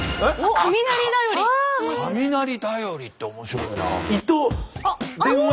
雷ダヨリって面白いな。